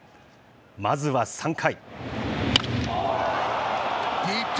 まずは３回。